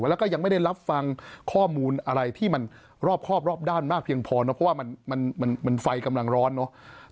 แล้วก็ยังไม่ได้รับฟังข้อมูลอะไรที่มันรอบครอบรอบด้านมากเพียงพอเนอะเพราะว่ามันไฟกำลังร้อนเนอะ